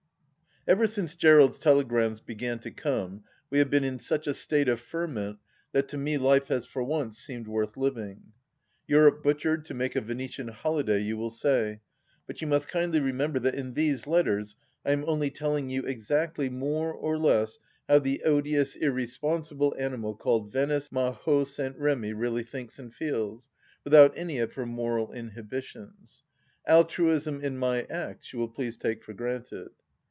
Ever since Gerald's telegrams began to come we have been in such a state of ferment that to me life has for once seemed worth living. Europe butchered to make a Venetian holiday you will say , but you must kindly remember that in these letters I am only telling you exactly, more or less, how the odious, irresponsible animal called Venice Mahaud St. Remy really thinks and feels — ^without any of her moral inhibitions. Altruism in my acts you will please take for granted.